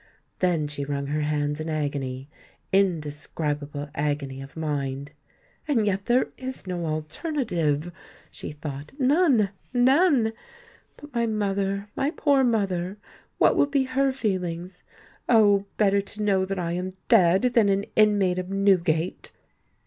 Then she wrung her hands in agony—indescribable agony of mind. "And yet there is no alternative!" she thought; "none—none! But my mother—my poor mother! what will be her feelings? Oh! better to know that I am dead, than an inmate of Newgate!"